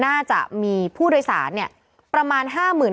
น่าจะมีผู้โดยสารประมาณ๕๐๐๐